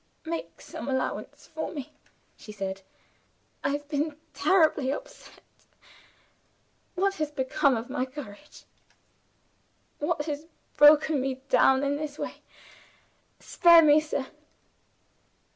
"Make some allowance for me," she said. "I have been terribly upset. What has become of my courage? What has broken me down in this way? Spare me, sir."